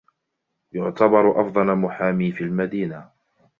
يعتبر أفضل محامي في المدينة.